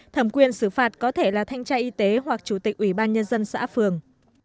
thẩm quyền xử phạt có thể là thanh tra y tế hoặc chủ tịch ủy ban nhân dân xã phường